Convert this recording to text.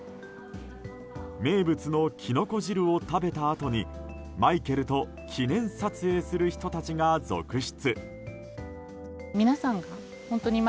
名物のきのこ汁を食べたあとにマイケルと記念撮影する人たちが続出。